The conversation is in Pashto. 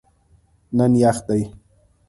نن یخ دی